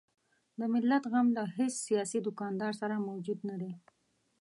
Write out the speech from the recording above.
د ملت غم له هیڅ سیاسي دوکاندار سره موجود نه دی.